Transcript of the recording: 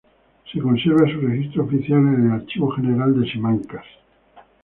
Se conserva su registro oficial en el Archivo General de Simancas.